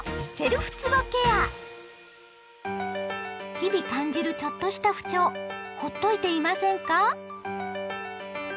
日々感じるちょっとした不調ほっといていませんか？